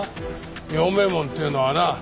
陽明門っていうのはな